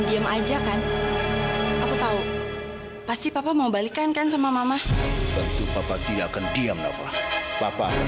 diam aja kan aku tahu pasti papa mau balikkan kan sama mama tentu papa tidak akan diam nafa papa akan